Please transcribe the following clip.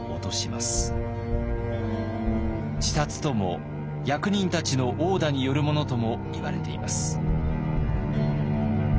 自殺とも役人たちの殴打によるものともいわれています。